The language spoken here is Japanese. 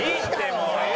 もう。